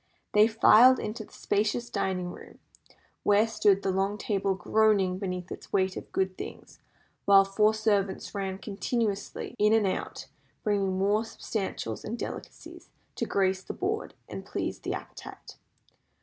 They filed into the spacious dining room, where stood the long table, groaning beneath its weight of good things, while four servants ran continually in and out bringing more substantials and delicacies to grace the board and please the appetite.